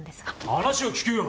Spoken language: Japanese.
話を聞けよ！